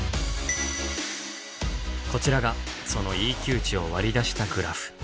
こちらがそのＥＱ値を割り出したグラフ。